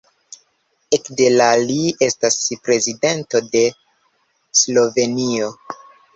Ekde la li estas Prezidento de Slovenio.